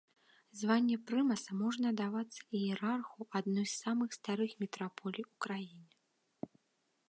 Званне прымаса можа давацца іерарху адной з самых старых мітраполій у краіне.